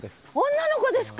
女の子ですか。